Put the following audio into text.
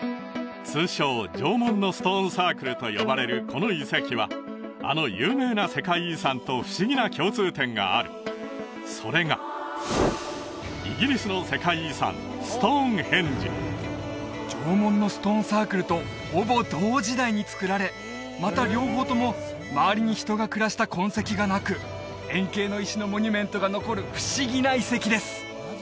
通称縄文のストーンサークルと呼ばれるこの遺跡はあの有名な世界遺産と不思議な共通点があるそれがイギリスの世界遺産ストーンヘンジ縄文のストーンサークルとほぼ同時代につくられまた両方とも周りに人が暮らした痕跡がなく円形の石のモニュメントが残る不思議な遺跡です